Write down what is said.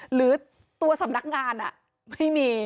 หรือตัวสำนักงานไม่มี